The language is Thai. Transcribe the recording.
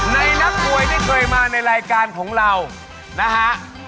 นักมวยที่เคยมาในรายการของเรานะฮะ